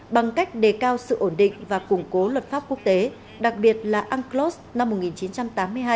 bằng cách đề cao sự ổn định và củng cố luật pháp quốc tế đặc biệt là unclos năm một nghìn chín trăm tám mươi hai